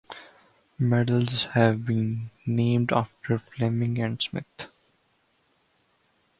Medals have been named after Fleming and Smith.